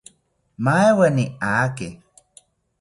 Maaweni aake